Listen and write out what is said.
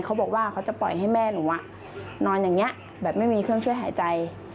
เขาบอกว่าเขาจะปล่อยให้แม่หนูนอนอย่างนี้แบบไม่มีเครื่องช่วยหายใจ